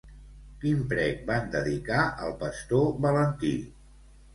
Quin prec van dedicar al pastor Valentí?